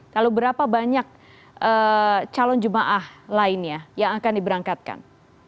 lalu berapa banyak calon jemaah lainnya yang akan diberangkatkan